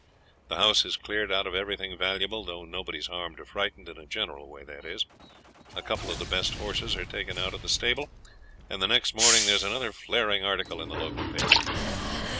The house is cleared out of everything valuable, though nobody's harmed or frightened in a general way, that is a couple of the best horses are taken out of the stable, and the next morning there's another flaring article in the local paper.